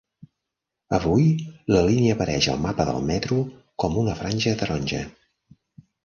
Avui, la línia apareix al mapa del metro com una franja taronja.